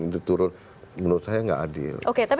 itu turun menurut saya tidak adil